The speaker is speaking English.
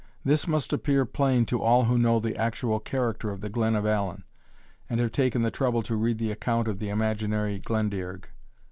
This must appear plain to all who know the actual character of the Glen of Allen, and have taken the trouble to read the account of the imaginary Glendearg.